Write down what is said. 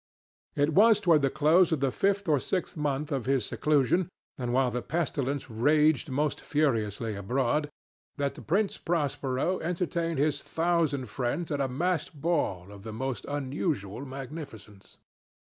It was toward the close of the fifth or sixth month of his seclusion, and while the pestilence raged most furiously abroad, that the Prince Prospero entertained his thousand friends at a masked ball of the most unusual magnificence.